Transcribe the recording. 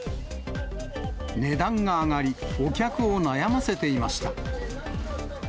値段が上がり、お客を悩ませていました。